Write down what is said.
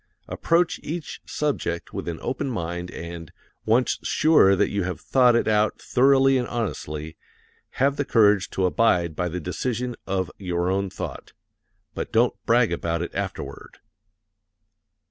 Approach each subject with an open mind and once sure that you have thought it out thoroughly and honestly have the courage to abide by the decision of your own thought. But don't brag about it afterward.